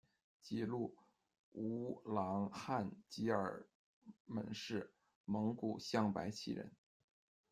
吉禄，吴郎汉吉尔们氏，蒙古镶白旗人。